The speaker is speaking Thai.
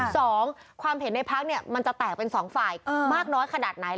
สองความเห็นในพักเนี่ยมันจะแตกเป็นสองฝ่ายมากน้อยขนาดไหน